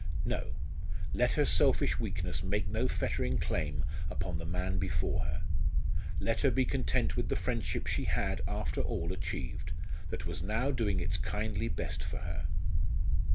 No; let her selfish weakness make no fettering claim upon the man before her. Let her be content with the friendship she had, after all, achieved, that was now doing its kindly best for her.